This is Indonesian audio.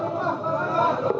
jauh jauh jauh dari malaysia